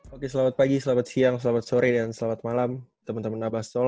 oke selamat pagi selamat siang selamat sore dan selamat malam teman teman abastol